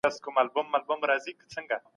ځان وژنه يوه شخصي پرېکړه نه ده.